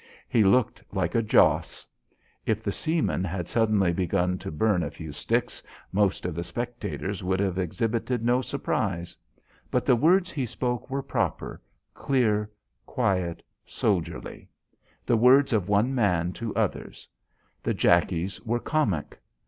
He looked like a joss. If the seamen had suddenly begun to burn a few sticks, most of the spectators would have exhibited no surprise. But the words he spoke were proper, clear, quiet, soldierly, the words of one man to others. The Jackies were comic.